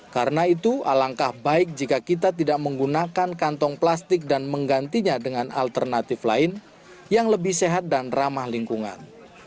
karena itu alangkah baik jika kita tidak menggunakan kantong plastik dan menggantinya dengan alternatif lain yang lebih sehat dan ramah lingkungan